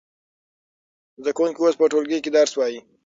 زده کوونکي اوس په ټولګي کې درس وايي.